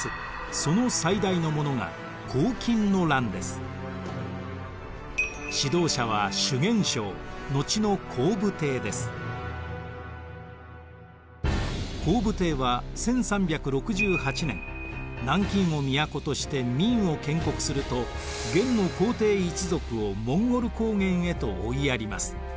その最大のものが指導者は洪武帝は１３６８年南京を都として明を建国すると元の皇帝一族をモンゴル高原へと追いやります。